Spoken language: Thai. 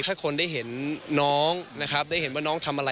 ถ้าคนได้เห็นน้องนะครับได้เห็นว่าน้องทำอะไร